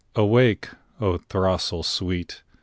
awake, O throstle sweet!